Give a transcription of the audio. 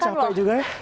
kayak gini capek juga ya